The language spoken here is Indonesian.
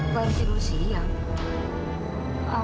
baru tidur siang